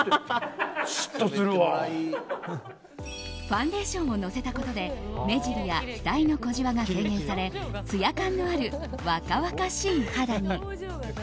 ファンデーションをのせたことで目尻や額の小じわが軽減されツヤ感のある若々しい肌に。